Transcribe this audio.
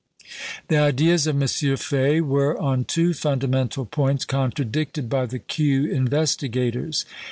The ideas of M. Faye were, on two fundamental points, contradicated by the Kew investigators.